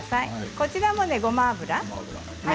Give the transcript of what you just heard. こちらもごま油。